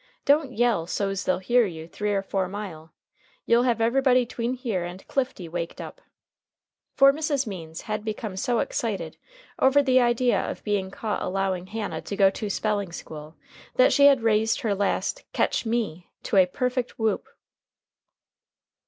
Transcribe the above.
Don't yell so's they'll hear you three or four mile. You'll have everybody 'tween here and Clifty waked up." For Mrs. Means had become so excited over the idea of being caught allowing Hannah to go to spelling school that she had raised her last "Ketch me!" to a perfect whoop.